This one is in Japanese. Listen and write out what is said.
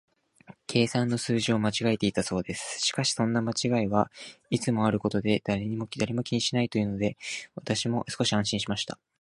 計算の数字を間違えたのだそうです。しかし、そんな間違いはいつもあることで、誰も気にするものはないというので、私も少し安心しました。